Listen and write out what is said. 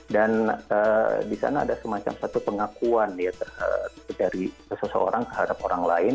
dan di sana ada semacam satu pengakuan ya dari seseorang kehadap orang lain